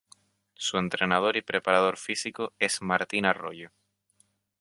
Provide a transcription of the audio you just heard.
Su entrenador y preparador físico es Martín Arroyo.